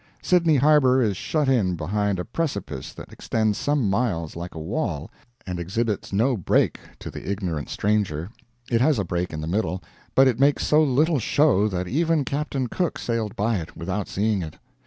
Sydney Harbor is shut in behind a precipice that extends some miles like a wall, and exhibits no break to the ignorant stranger. It has a break in the middle, but it makes so little show that even Captain Cook sailed by it without seeing it.